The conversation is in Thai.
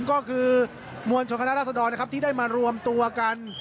ก็คือมวลชนคณะรัศดรนะครับที่ได้มารวมตัวกัน